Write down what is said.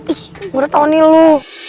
ih gue udah tau nih lo